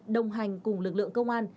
đồng hành cùng lực lượng công an